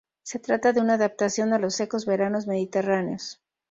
Se trata de una adaptación a los secos veranos mediterráneos.